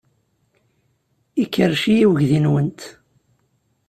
Ikerrec-iyi uydi-nwent.